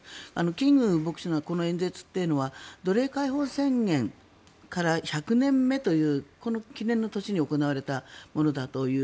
キング牧師のこの演説というのは奴隷解放宣言から１００年目という記念の年に行われたものだという。